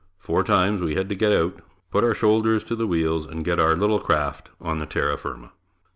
Four times we had to get out, put our shoulders to the wheels and get our little craft on the terra firma.